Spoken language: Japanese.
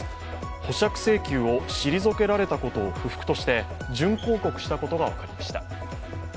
保釈請求を退けられたことを不服として準抗告したことが分かりました。